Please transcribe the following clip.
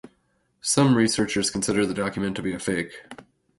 Some researchers consider the document to be a fake.